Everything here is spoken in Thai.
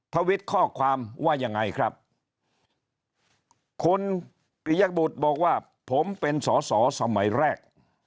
ทวิตข้อความว่ายังไงครับคุณปียบุตรบอกว่าผมเป็นสอสอสมัยแรก